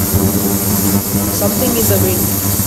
Something in the wind